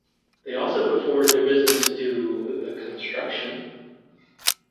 They also put forward their business to do the construction.